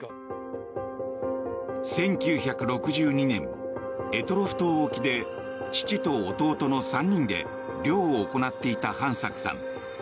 １９６２年択捉島沖で父と弟の３人で漁を行っていた飯作さん。